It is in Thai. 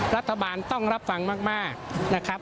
รัฐบาลต้องรับฟังมากนะครับ